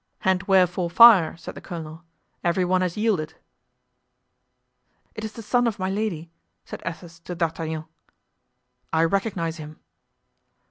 "And wherefore fire?" said the colonel; "every one has yielded." "It is the son of Milady," said Athos to D'Artagnan. "I recognize him."